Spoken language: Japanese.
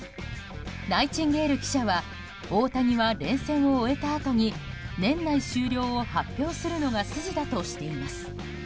ナイチンゲール記者は大谷は連戦を終えたあとに年内終了を発表するのが筋だとしています。